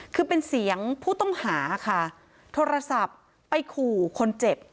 คือเป็นเสียงผู้ต้องหาค่ะโทรศัพท์ไปขู่คนเจ็บ